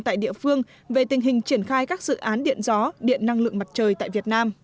tại địa phương về tình hình triển khai các dự án điện gió điện năng lượng mặt trời tại việt nam